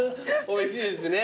おいしいですね。